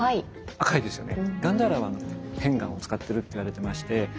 赤いですよね。